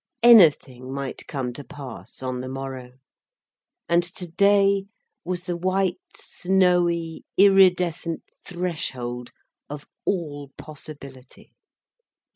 Anything might come to pass on the morrow. And today was the white, snowy iridescent threshold of all possibility.